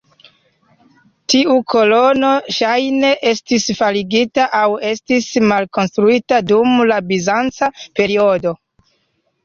Tiu kolono ŝajne estis faligita aŭ estis malkonstruita dum la bizanca periodo.